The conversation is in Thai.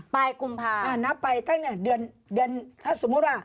ปลายกุมภาเอานะปลายตั้งเนี่ยเดือนถ้าสมมติว่า